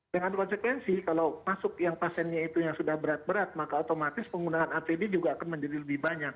dengan konsekuensi kalau masuk yang pasiennya itu yang sudah berat berat maka otomatis penggunaan apd juga akan menjadi lebih banyak